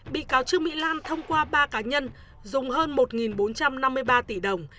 bị cáo trương mỹ lan thông qua ba cá nhân dùng hơn một bốn trăm năm mươi ba tỷ đồng